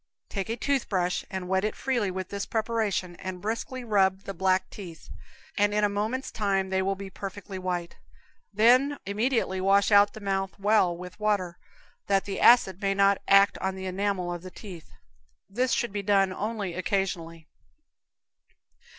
Take a toothbrush, and wet it freely with this preparation, and briskly rub the black teeth, and in a moment's time they will be perfectly white; then immediately wash out the mouth well with water, that the acid may not act on the enamel of the teeth. This should be done only occasionally.